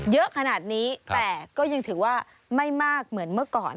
เยอะขนาดนี้แต่ก็ยังถือว่าไม่มากเหมือนเมื่อก่อน